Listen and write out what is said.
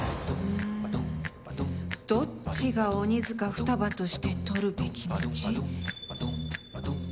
どっちが鬼塚双葉としてとるべき道？